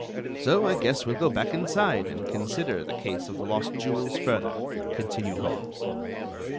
"So I guess we'll go back inside, and consider the case of the lost jewels further," continued Holmes.